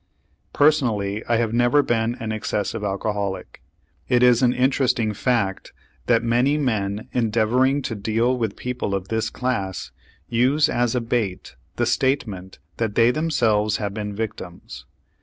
Personally, I have never been an excessive alcoholic. It is an interesting fact that many men endeavoring to deal with people of this class use as a bait the statement that they themselves have been victims.